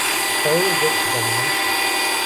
ފައިލް ރެކް ގަންނަން